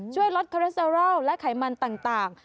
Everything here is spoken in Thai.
ช่วยลดคาเรสเตอรอลและไขมันต่าง